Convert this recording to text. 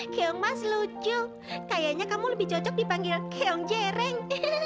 keong mas lucu kayaknya kamu lebih cocok dipanggil keong jereng